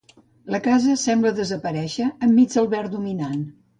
La casa sembla desaparèixer enmig del verd dominant.